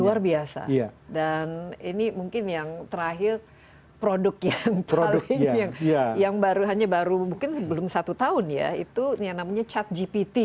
luar biasa dan ini mungkin yang terakhir produk yang baru mungkin sebelum satu tahun ya itu yang namanya cat gpt